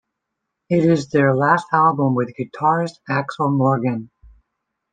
It is their last album with guitarist Axel Morgan.